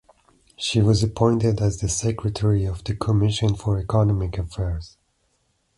She was appointed as the secretary of the Commission for Economic Affairs.